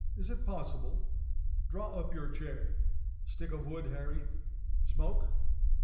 Is it possible? Draw up your chair. Stick of wood, Harry. Smoke?